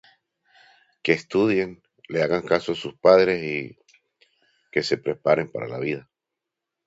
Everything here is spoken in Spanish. Que estudien, le hagan caso a sus padres y... que se preparen para la vida.